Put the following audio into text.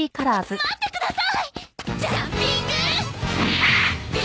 なってください！